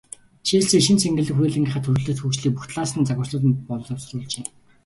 Челси шинэ цэнгэлдэх хүрээлэнгийнхээ төлөвлөлт, хөгжлийг бүх талаас нь загварчлан боловсруулжээ.